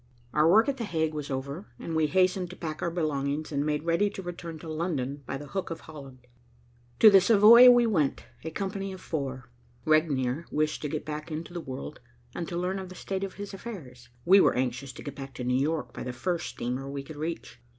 Our work at The Hague was over, and we hastened to pack our belongings and made ready to return to London by the Hook of Holland. To the Savoy we went, a company of four. Regnier wished to get back into the world and to learn of the state of his affairs. We were anxious to get back to New York by the first steamer we could reach.